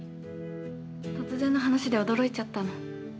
突然の話で驚いちゃったの。